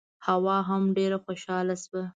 حوا هم ډېره خوشاله شوه.